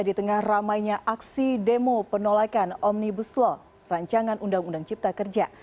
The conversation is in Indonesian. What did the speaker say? di tengah ramainya aksi demo penolakan omnibus law rancangan undang undang cipta kerja